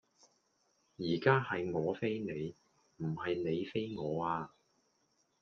而家係我飛你,唔係你飛我呀